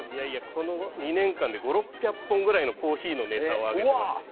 この２年間で５００６００本ぐらいのコーヒーのネタを上げてますよ。